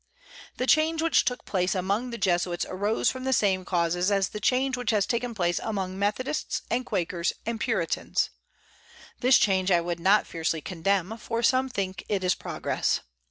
The change which took place among the Jesuits arose from the same causes as the change which has taken place among Methodists and Quakers and Puritans. This change I would not fiercely condemn, for some think it is progress.